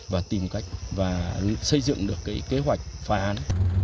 và tìm cách và xây dựng được kế hoạch phá án